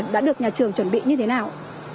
đã được nhà trường chuẩn bị như thế nào